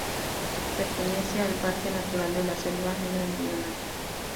Pertenece al parque natural de la Selva Negra Meridional.